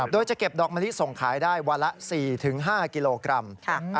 โดยจะเก็บดอกมะลิส่งขายได้วันละ๔๕กิโลกรัม